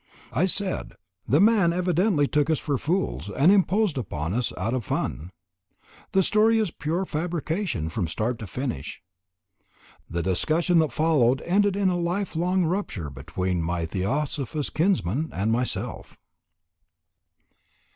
I said; "The man evidently took us for fools and imposed upon us out of fun. The story is pure fabrication from start to finish." The discussion that followed ended in a lifelong rupture between my theosophist kinsman and myself.